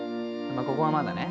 ここはまだね。